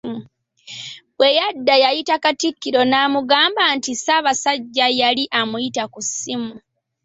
Bwe yadda yayita Katikkiro naamugamba nti Ssabasajja yali amuyita ku ssimu.